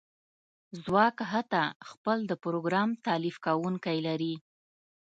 ځواک حتی خپل د پروګرام تالیف کونکی لري